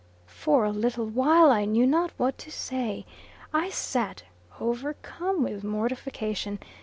For a little while, I knew not what to say. I sat, overcome with mortification.